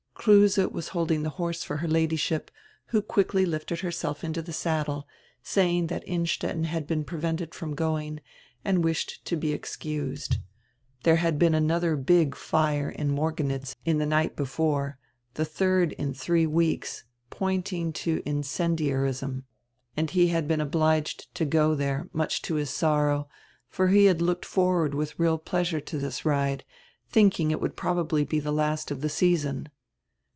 Kruse was holding die horse for her Ladyship, who quickly lifted herself into die saddle, saying diat Innstetten had been prevented from going and wished to be excused. There had been another big fire in Morgenitz die night before, die diird in diree weeks, pointing to incendiarism, and he had been obliged io go diere, much to his sorrow, for he had looked forward widi real pleasure to diis ride, tiiinking it would probably be die last of die season.